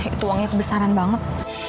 itu uangnya kebesaran banget